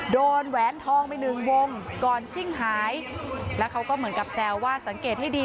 แหวนทองไปหนึ่งวงก่อนชิ่งหายแล้วเขาก็เหมือนกับแซวว่าสังเกตให้ดี